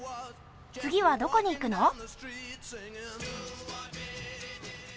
次はどこに行くの？